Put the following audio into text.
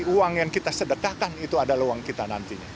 uang yang kita sedekahkan itu adalah uang kita nantinya